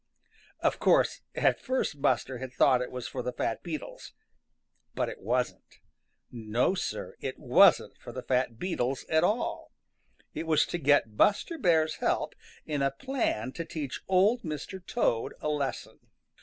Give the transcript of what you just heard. Of course, at first Buster had thought it was for the fat beetles. But it wasn't. No, Sir, it wasn't for the fat beetles at all. It was to get Buster Bear's help in a plan to teach Old Mr. Toad a lesson.